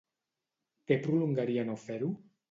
Què prolongaria no fer-ho?